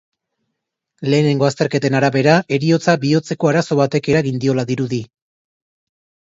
Lehenengo azterketen arabera, heriotza bihotzeko arazo batek eragin diola dirudi.